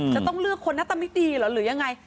จะต้องเลือกคนหน้าตาไม่ดีเหรอหรือยังไง